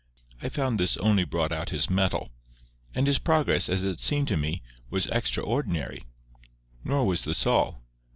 I found this only brought out his mettle; and his progress, as it seemed to me, was extraordinary. Nor was this all.